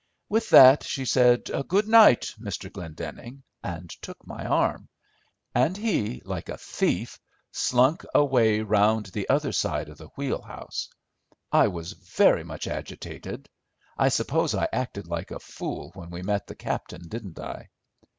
With that she said 'Good night, Mr. Glendenning,' and took my arm, and he, like a thief, slunk away round the other side of the wheelhouse. I was very much agitated. I suppose I acted like a fool when we met the captain, didn't I?"